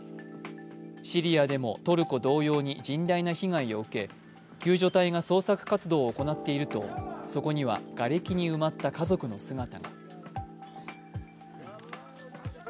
シリアでもトルコ同様に甚大な被害を受け救助隊が捜索活動を行っているとそこにはがれきに埋まった家族の姿が。